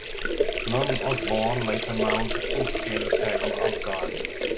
Norman Osborn later mounts a full-scale attack on Asgard.